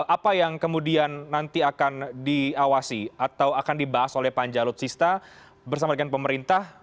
apa yang kemudian nanti akan diawasi atau akan dibahas oleh panjalut sista bersama dengan pemerintah